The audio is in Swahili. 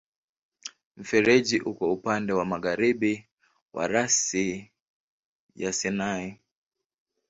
Mfereji uko upande wa magharibi wa rasi ya Sinai.